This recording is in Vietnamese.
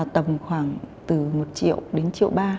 tầm khoảng từ một triệu đến triệu ba